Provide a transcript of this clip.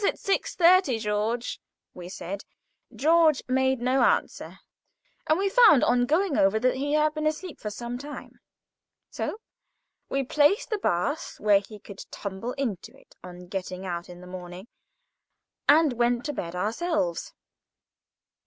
"Wake us at 6.30, George," we said. George made no answer, and we found, on going over, that he had been asleep for some time; so we placed the bath where he could tumble into it on getting out in the morning, and went to bed ourselves.